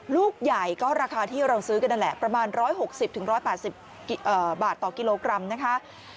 ลูกใหญ่ก็ราคาที่เราซื้อกันนั่นแหละประมาณ๑๖๐๑๘๐บาทต่อกิโลกรัมนะคะ